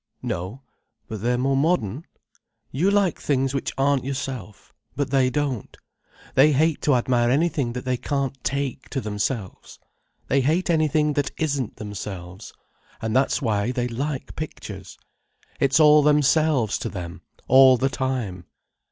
"No, but they're more modern. You like things which aren't yourself. But they don't. They hate to admire anything that they can't take to themselves. They hate anything that isn't themselves. And that's why they like pictures. It's all themselves to them, all the time."